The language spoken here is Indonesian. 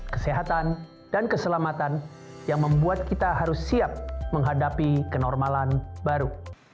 kesehatan dan keselamatan yang membuat kita harus siap menghadapi kenormalan baru